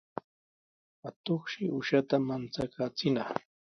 Atuqshi uushata manchakaachinaq.